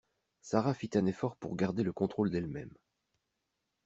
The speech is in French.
Sara fit un effort pour garder le contrôle d’elle-même.